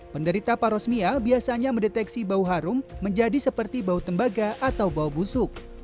penderita parosmia biasanya mendeteksi bau harum menjadi seperti bau tembaga atau bau busuk